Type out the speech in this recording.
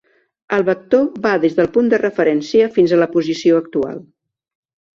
El vector va des del punt de referència fins a la posició actual.